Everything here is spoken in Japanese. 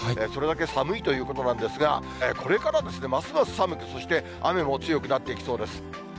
それだけ寒いということなんですが、これからますます寒く、そして雨も強くなっていきそうです。